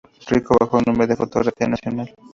Rico, bajo el nombre Fotografía Nacional.